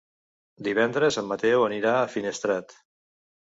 Divendres en Mateu anirà a Finestrat.